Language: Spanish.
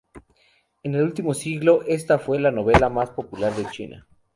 En el último siglo, esta fue la novela más popular de China.